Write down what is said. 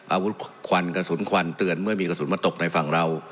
อาวุธควันกระสุนควันเตือนเมื่อมีกระสุนมาตกในฝั่งเรา